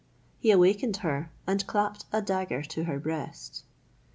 He awakened her, and clapped a dagger to her breast.